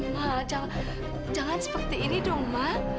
nah jangan seperti ini dong ma